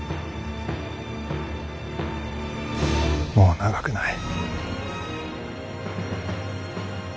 もう長くない。